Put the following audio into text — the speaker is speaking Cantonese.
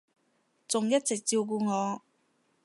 仲一直照顧我